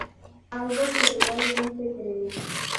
Algo que realmente cree.